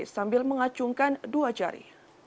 sambil mengacungkan dua cari